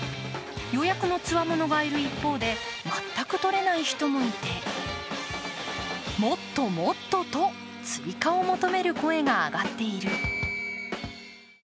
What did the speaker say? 予約のつわものがいる一方で全く取れない人もいて「もっと」「もっと」と追加を求める声が上がっている。